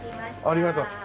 ありがとう。